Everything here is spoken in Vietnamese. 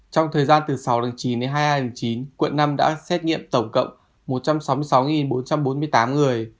trong thời gian từ sáu chín đến hai mươi hai chín quận năm đã xét nghiệm tổng cộng một trăm sáu mươi sáu bốn trăm bốn mươi tám người